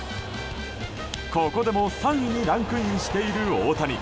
ここでも３位にランクインしている大谷。